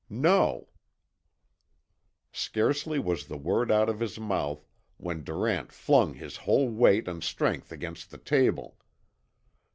"No!" Scarcely was the word out of his mouth when Durant flung his whole weight and strength against the table.